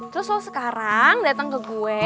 terus sekarang datang ke gue